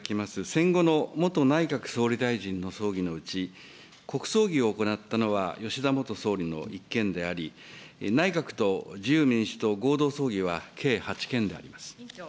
戦後の元内閣総理大臣の葬儀のうち、国葬儀を行ったのは、吉田元総理の１件であり、内閣と自由民主党合同葬儀は計８件であります。